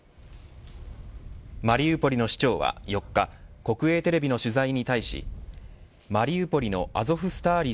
マリウポリの市長は４日国営テレビの取材に対しマリウポリのアゾフスターリ